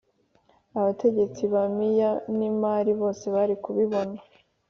Abategetsi ba Miyanimari bo se bari kubibona bate